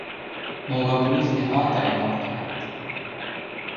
Moga police के हाथ आए पांच डकैत